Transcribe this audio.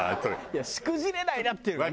いやしくじれないなっていうね。